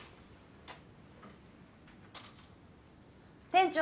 店長。